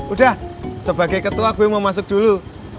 udah sebagai ketua gue mau masuk dulu